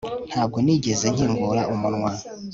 Ntabwo nigeze nkingura umunwa